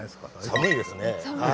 寒いですねはい。